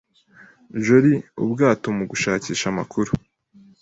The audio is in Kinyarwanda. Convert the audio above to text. jolly-ubwato mugushakisha amakuru.